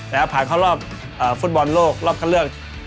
แล้วผ่านเข้ารอบฟุตบอลโลกรอบคันเลือก